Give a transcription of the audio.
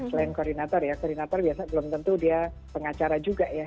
selain koordinator ya koordinator biasa belum tentu dia pengacara juga ya